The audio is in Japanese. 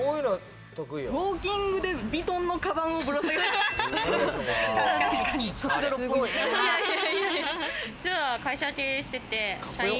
ウオーキングでヴィトンのかばんをぶら下げてる。